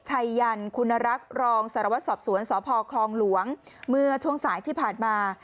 ยันคุณรักษ์รองสารวัตรสอบสวนสพคลองหลวงเมื่อช่วงสายที่ผ่านมา